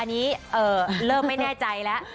อันนี้เริ่มไม่แน่ใจแล้ว